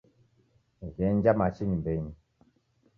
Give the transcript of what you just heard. Ghenja machi nyumbenyi.